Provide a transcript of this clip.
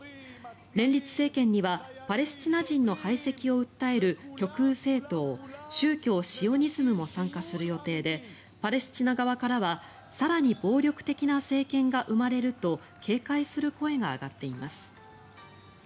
連立政権にはパレスチナ人の排斥を訴える極右政党宗教シオニズムも参加する予定でパレスチナ側からは更に暴力的な政権が生まれると警戒する声が上がっています。